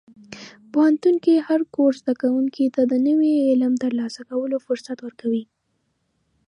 پوهنتون کې هر کورس زده کوونکي ته د نوي علم ترلاسه کولو فرصت ورکوي.